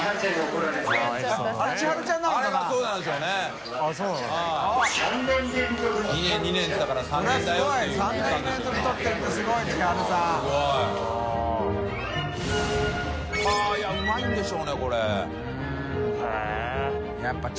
呂繊いうまいんでしょうねこれ。尾上）